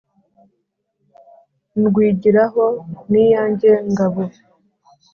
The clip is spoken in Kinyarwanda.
Ndwigiraho n'iyanjye ngabo